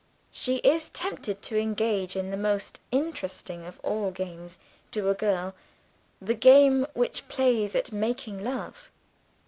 She is tempted to engage in the most interesting of all games to a girl the game which plays at making love.